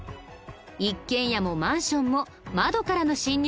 一軒家もマンションも窓からの侵入が多いです。